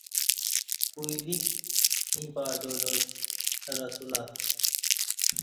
کوئ ویک ییں پاتیالاش اے رسولہ